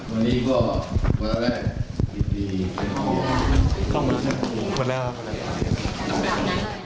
วันนี้ก็วันแรกวันแรก